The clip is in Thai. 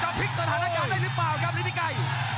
จะล้อมอยู่ได้สุดหรือเปล่าครับฤทธิไกร